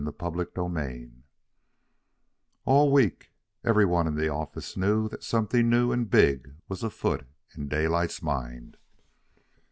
CHAPTER XVI All week every one in the office knew that something new and big was afoot in Daylight's mind.